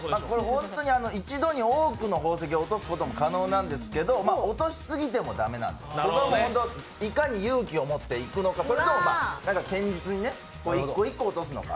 本当に一度に多くの宝石を落とすことも可能なんですけど落としすぎても駄目なので、いかに勇気を持っていくのか、それとも堅実に１個１個落とすのか。